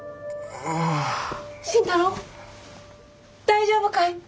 大丈夫かい？